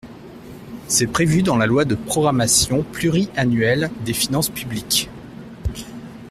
C’est prévu dans la loi de programmation pluriannuelle des finances publiques.